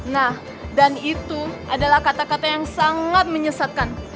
nah dan itu adalah kata kata yang sangat menyesatkan